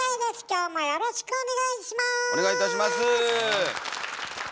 あよろしくお願いします。